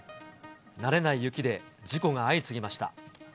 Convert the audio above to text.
慣れない雪で事故が相次ぎました。